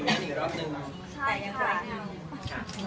อันนี้เป็นคลิปกระทับหันหรือเป็นคลิปกระทับหัน